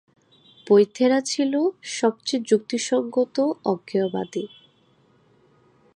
বৌদ্ধেরা ছিল সবচেয়ে যুক্তিসঙ্গত অজ্ঞেয়বাদী।